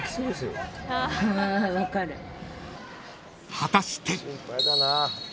［果たして］